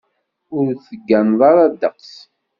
Ur tegganeḍ ara ddeqs.